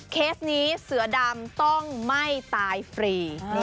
เคสนี้เสือดำต้องไม่ตายฟรี